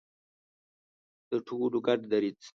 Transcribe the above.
د ټولو ګډ دریځ.